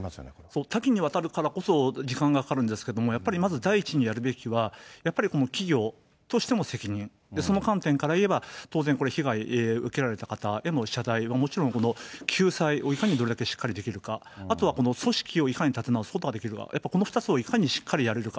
そう、多岐にわたるからこそ時間がかかるんですけど、やっぱりまず第一にやるべきは、やっぱりこの企業としての責任、その観点から言えば、当然これ、被害受けられた方への謝罪、もちろん救済をいかにどれだけしっかりできるか、この組織をいかに立て直すことができるか、やっぱりこの２つをいかにしっかりやれるか、